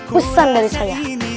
pesan dari saya